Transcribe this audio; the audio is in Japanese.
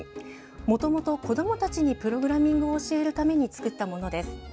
もともと、子どもたちにプログラミングを教えるために作ったものです。